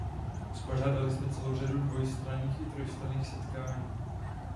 Uspořádali jsme celou řadu dvojstranných i trojstranných setkání.